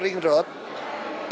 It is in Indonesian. ada yang ada di jalan jalan